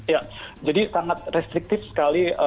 ya jadi sangat restriktif sekali